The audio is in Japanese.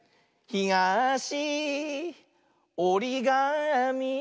ひがしおりがみ。